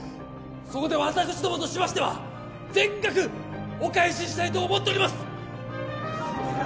そこで私どもとしましては全額お返ししたいと思っております